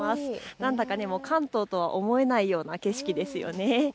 何だか関東とは思えないような景色ですよね。